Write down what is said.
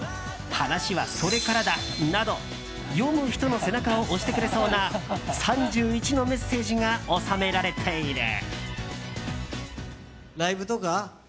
話はそれからだ」など読む人の背中を押してくれそうな３１のメッセージが収められている。